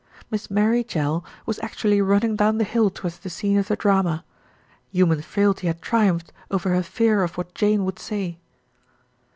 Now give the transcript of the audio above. Miss Mary Jell was actually running down the hill towards the scene of the drama. Human frailty had triumphed over her fear of what Jane would say.